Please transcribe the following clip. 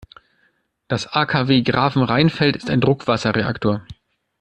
Das AKW Grafenrheinfeld ist ein Druckwasserreaktor.